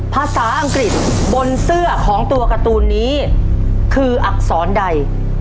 ภาษาอังกฤษบนเสื้อของตัวการ์ตูนนี้คืออักษรใด